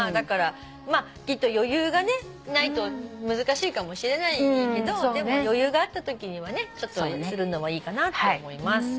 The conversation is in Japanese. まあきっと余裕がないと難しいかもしれないけどでも余裕があったときにはするのもいいかなと思います。